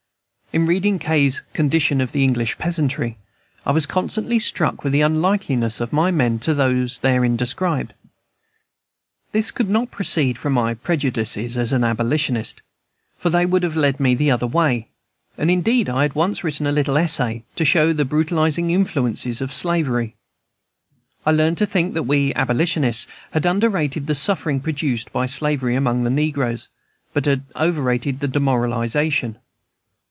In reading Kay's "Condition of the English Peasantry" I was constantly struck with the unlikeness of my men to those therein described. This could not proceed from my prejudices as an abolitionist, for they would have led me the other way, and indeed I had once written a little essay to show the brutalizing influences of slavery. I learned to think that we abolitionists had underrated the suffering produced by slavery among the negroes, but had overrated the demoralization.